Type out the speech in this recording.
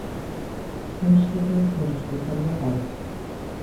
Die Fundstätte wurde später überbaut.